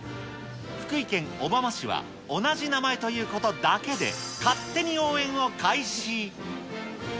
福井県小浜市は同じ名前ということだけで、勝手に応援を開始。